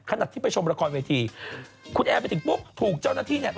ขณะที่ไปชมละครเวทีคุณแอร์ไปถึงปุ๊บถูกเจ้าหน้าที่เนี่ย